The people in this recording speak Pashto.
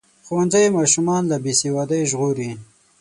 ښوونځی ماشومان له بې سوادۍ ژغوري.